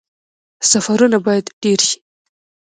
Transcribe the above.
سفرونه باید ډیر شي